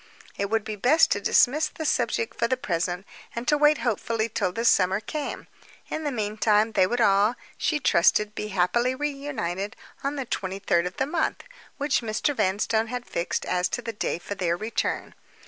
It would be best to dismiss the subject for the present, and to wait hopefully till the summer came. In the meantime they would all, she trusted, be happily reunited on the twenty third of the month, which Mr. Vanstone had fixed on as the day for their return.